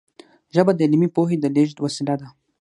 ژبه د علمي پوهې د لېږد وسیله وه.